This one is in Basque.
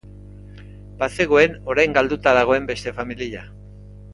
Bazegoen orain galduta dagoen beste familia.